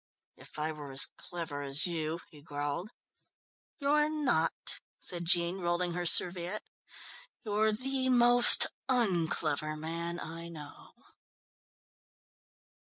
"If I were as clever as you " he growled. "You're not," said Jean, rolling her serviette. "You're the most un clever man I know."